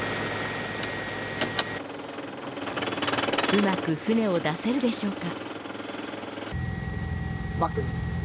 うまく船を出せるでしょうか？